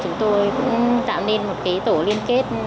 chúng tôi cũng tạo nên một tổ liên kết